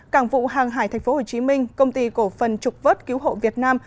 cảng vụ hàng hải tp hcm công ty cổ phần trục vớt cứu hộ việt nam